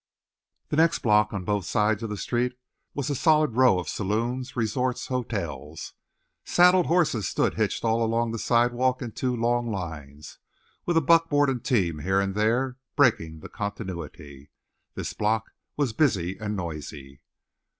The next block, on both sides of the street, was a solid row of saloons, resorts, hotels. Saddled horses stood hitched all along the sidewalk in two long lines, with a buckboard and team here and there breaking the continuity. This block was busy and noisy.